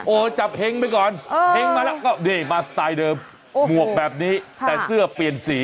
โอ้ยจับแฮงไว้ก่อนแฮงมาแล้วมาสไตล์เดิมหมวกแบบนี้แต่เสื้อเปลี่ยนสี